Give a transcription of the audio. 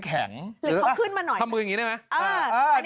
เขาขึ้นมาหน่อยทำมือแบบนี้ได้ไหม